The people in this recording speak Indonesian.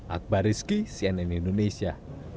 akbar rizky cnn indonesia